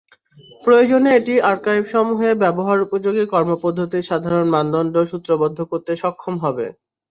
প্রয়োজনে এটি আর্কাইভসসমূহে ব্যবহারোপযোগী কর্মপদ্ধতির সাধারণ মানদণ্ড সূত্রবদ্ধ করতে সক্ষম হবে।